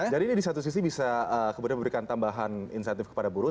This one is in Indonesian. jadi ini di satu sisi bisa kemudian memberikan tambahan insentif kepada buruh